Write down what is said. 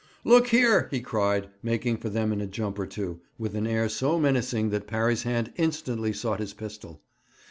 'Look here,' he cried, making for them in a jump or two, with an air so menacing that Parry's hand instantly sought his pistol.